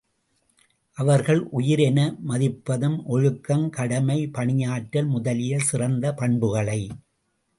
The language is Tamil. அவர்கள் உயிர் என மதிப்பது ஒழுக்கம், கடமை, பணியாற்றல் முதலிய சிறந்த பண்புகளை.